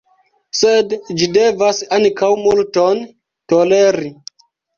Sed ĝi devas ankaŭ multon toleri.